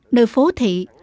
nơi phố thị